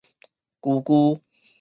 舊舊